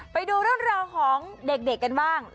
ไปดูเรื่องราวของเด็กกันบ้าง